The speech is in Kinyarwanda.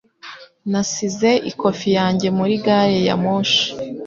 Nasize ikofi yanjye muri gari ya moshi.